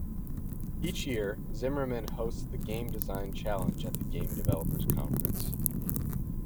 Each year Zimmerman hosts the Game Design Challenge at the Game Developers Conference.